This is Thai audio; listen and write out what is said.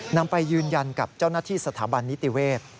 นำไปยืนยันกับเจ้าหน้าที่สถาบันนิติเวศ